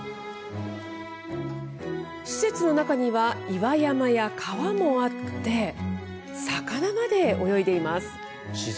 施設の中には岩山や川もあって魚まで泳いでいます。